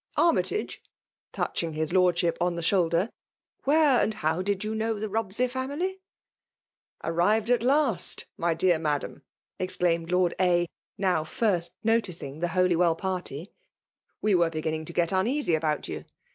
Armytage !'* touching his Lordship as tha shoulder^ '''where and how did you Icnow the Robsey family ?*'Arrived at last !— my &ar Madam !" ex dainied Lord A.> now first noticing the Haly^ well party ;'^ we were beginning to get unea^ about you.